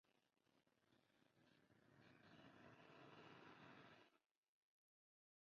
Actualmente reside allí el gran duque Enrique I de Luxemburgo y su familia.